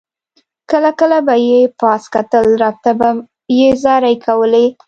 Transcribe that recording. کله کله به یې پاس کتل رب ته به یې زارۍ کولې.